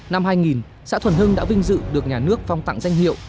năm hai nghìn xã thuần hưng đã vinh dự được nhà nước phong tặng danh hiệu